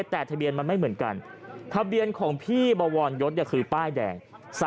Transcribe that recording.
แต่ทะเบียนมันไม่เหมือนกันทะเบียนของพี่บวรยศคือป้ายแดง